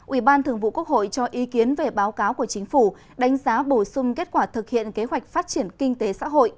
ủy ban thường vụ quốc hội cho ý kiến về báo cáo của chính phủ đánh giá bổ sung kết quả thực hiện kế hoạch phát triển kinh tế xã hội